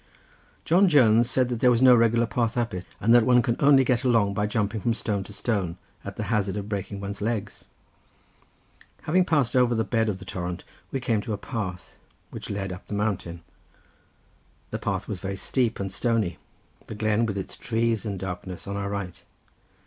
John Jones said that there was no regular path up it, and that one could only get along by jumping from stone to stone, at the hazard of breaking one's legs. Having passed over the bed of the torrent, we came to a path, which led up the mountain. The path was very steep and stony; the glen with its trees and darkness on our right.